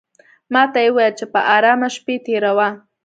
ماته یې وویل چې په آرامه شپې تېروه.